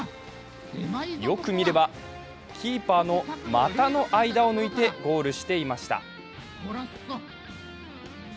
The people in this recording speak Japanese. よく見れば、キーパーの股の間を抜いてゴールしていました。